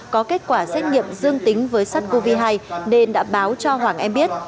có kết quả xét nghiệm dương tính với sars cov hai nên đã báo cho hoàng em biết